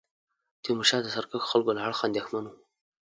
تیمورشاه د سرکښو خلکو له اړخه اندېښمن وو.